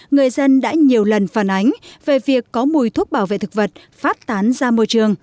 người dân đã nhiều lần phản ánh về việc có mùi thuốc bảo vệ thực vật phát tán ra môi trường